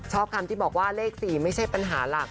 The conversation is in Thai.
คำที่บอกว่าเลข๔ไม่ใช่ปัญหาหลัก